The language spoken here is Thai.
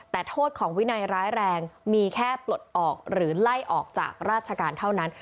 แต่โทษของวินัยร้ายแรงมีแค่ปลดออกหรือไล่ออกจากราชการเท่านั้น